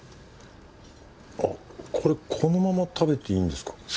あっこれこのまま食べていいんですか？